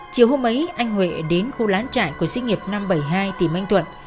chiều hôm ấy anh huệ đến khu lán trại của sinh nghiệp năm trăm bảy mươi hai tỉnh anh thuận